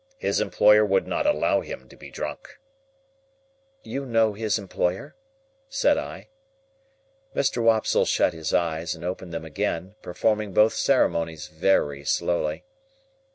His employer would not allow him to be drunk." "You know his employer?" said I. Mr. Wopsle shut his eyes, and opened them again; performing both ceremonies very slowly.